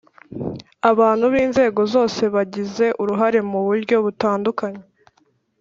abantu n'inzego zose bagize uruhare mu buryo butandukanye